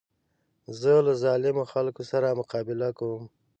زه له ظالمو خلکو سره مقابله کوم.